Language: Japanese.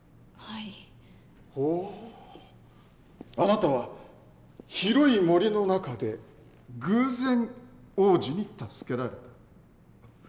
あなたは広い森の中で偶然王子に助けられた。